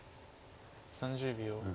３０秒。